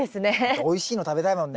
おいしいの食べたいもんね。